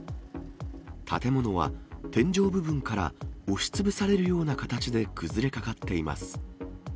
建物は天井部分から押しつぶされるような形で崩れかかっています。